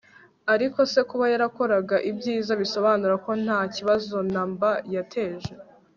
ariko se kuba yarakoraga ibyiza bisobanura ko nta kibazo na mba yateje